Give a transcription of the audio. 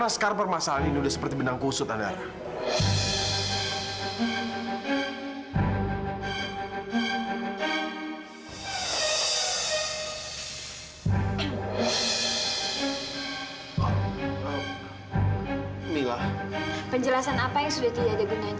sampai jumpa di video selanjutnya